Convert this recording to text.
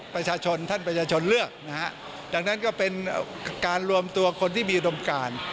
ประชาชนท่านประชาชนเลือกนะฮะจากนั้นก็เป็นการรวมตัวคนที่มีอุดมการ